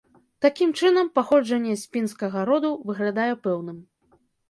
Такім чынам, паходжанне з пінскага роду выглядае пэўным.